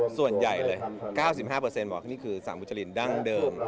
ส่วนใหญ่เลย๙๕บอกว่านี่คือสั่งมุจรินดั้งเดิม